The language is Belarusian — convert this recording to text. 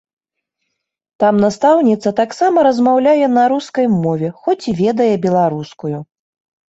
Там настаўніца таксама размаўляе на рускай мове, хоць і ведае беларускую.